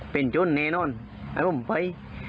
เป็นช้นแนนอนแล้วผมไป